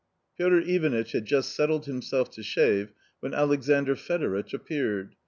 Piotr Ivanitch had just settled himself to shave when Alexandr Fedoritch appeared.